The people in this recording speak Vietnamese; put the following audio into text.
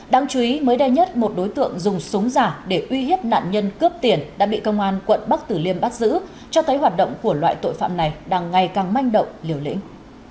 đáng chú ý mới đây nhất một đối tượng dùng súng giả để uy hiếp nạn nhân cướp tiền đã bị công an quận bắc tử liêm bắt giữ cho thấy hoạt động của loại tội phạm này đang ngày càng manh động liều lĩnh